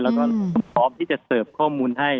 แล้วก็พร้อมที่จะเสิร์ฟข้อมูลให้